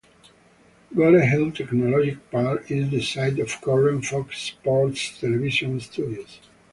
Gore Hill Technology Park is the site of current Fox Sports television studios.